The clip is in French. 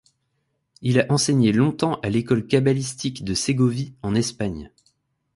Il a enseigné longtemps à l’école kabbalistique de Ségovie, en Espagne.